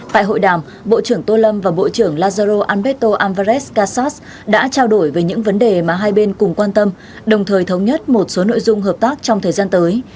tại hội đàm bộ trưởng tô lâm và bộ trưởng lazaro anberto alvarez kassas đã trao đổi về những vấn đề mà hai bên cùng quan tâm đồng thời thống nhất một số nội dung hợp tác trong thời gian tới